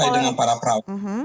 terkait dengan para perawat